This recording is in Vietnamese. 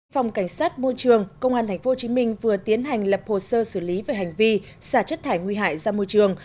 phòng cảnh sát môi trường công an tp hcm vừa tiến hành lập hồ sơ xử lý về hành vi xả chất thải nguy hại ra môi trường